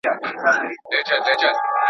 نور به نه اورې ژړا د ماشومانو.